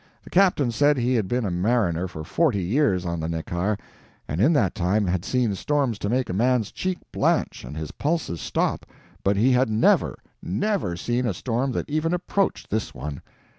The captain said he had been a mariner for forty years on the Neckar, and in that time had seen storms to make a man's cheek blanch and his pulses stop, but he had never, never seen a storm that even approached this one.